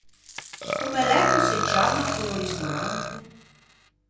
Comme l’é ch’o se ciamma quello ristorante?